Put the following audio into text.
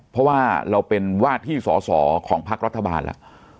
เพราะว่าเราเป็นวาดที่สอสอของพักรัฐบาลแล้ว